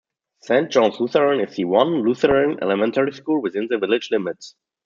Saint John's Lutheran is the one Lutheran elementary school within the village limits.